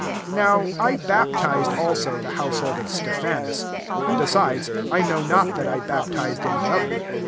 16 Now I ba|^ef also the household of Ste^*" nas : besides, I know not that I baptized any other.